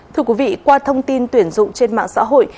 thưa quý vị qua thông tin tuyển dụng trên mạng xã hội